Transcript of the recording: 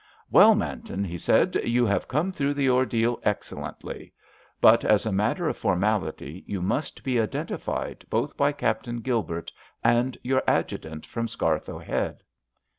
"Well, Manton," he said, "you have come through the ordeal excellently. But as a matter of formality you must be identified both by Captain Gilbert and your adjutant from Scarthoe Head."